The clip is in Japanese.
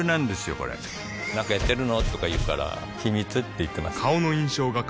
これなんかやってるの？とか言うから秘密って言ってます